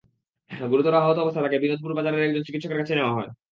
গুরুতর আহত অবস্থায় তাঁকে বিনোদপুর বাজারের একজন চিকিৎসকের কাছে নেওয়া হয়।